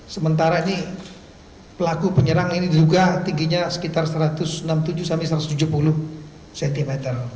sementara ini pelaku penyerang ini diduga tingginya sekitar satu ratus enam puluh tujuh sampai satu ratus tujuh puluh cm